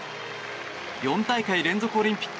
４大会連続オリンピック